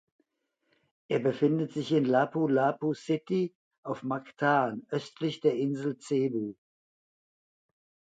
Er befindet sich in Lapu-Lapu City auf Mactan östlich der Insel Cebu.